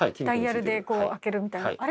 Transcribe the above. ダイヤルでこう開けるみたいな。